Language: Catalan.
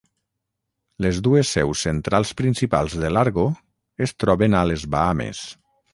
Les dues seus centrals principals de Largo es troben a les Bahames.